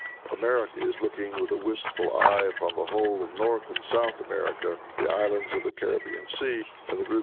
America is looking with a wistful eye upon the whole of North and South America, the islands of the Caribbean Sea and the groups of the Pacific.